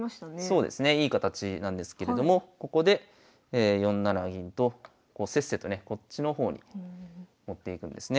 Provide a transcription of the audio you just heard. そうですねいい形なんですけれどもここで４七銀とせっせとねこっちの方に持っていくんですね。